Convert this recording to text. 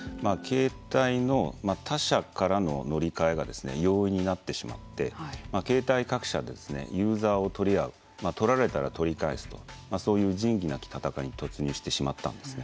携帯の他社からの乗り換えが容易になってしまって携帯各社でですねユーザーを取り合う取られたら取り返すとそういう仁義なき戦いに突入してしまったんですね。